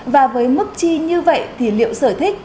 và với mức chi như vậy thì liệu sở thích